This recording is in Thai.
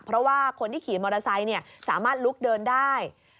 เพราะว่าคนที่ขี่มอเตอร์ไซค์สามารถลุกเดินได้